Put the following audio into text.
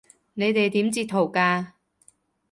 你哋點截圖㗎？